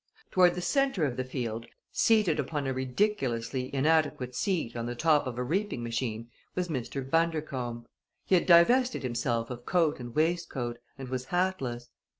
Toward the center of the field, seated upon a ridiculously inadequate seat on the top of a reaping machine, was Mr. Bundercombe. He had divested himself of coat and waistcoat, and was hatless.